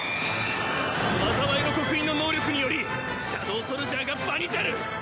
災いの刻印の能力によりシャドウソルジャーが場に出る！